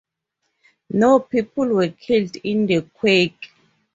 No people were killed in the quake.